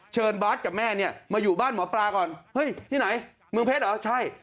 บาทกับแม่เนี่ยมาอยู่บ้านหมอปลาก่อนเฮ้ยที่ไหนเมืองเพชรเหรอใช่